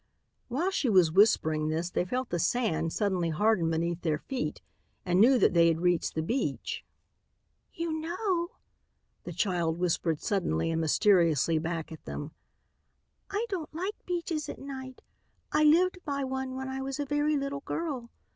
While she was whispering this they felt the sand suddenly harden beneath their feet and knew that they had reached the beach. "You know," the child whispered suddenly and mysteriously back at them, "I don't like beaches at night. I lived by one when I was a very little girl.